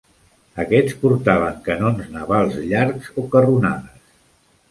Aquests portaven canons navals llargs o carronades.